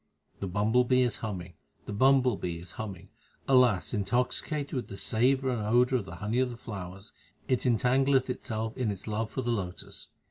The bumble bee is humming, the bumble bee is humming ; alas ! intoxicated with the savour and odour of the honey of the flowers, 3 it entangleth itself in its love for the lotus.